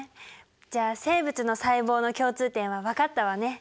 じゃあ生物の細胞の共通点は分かったわね。